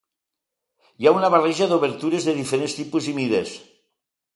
Hi ha una barreja d'obertures de diferents tipus i mides.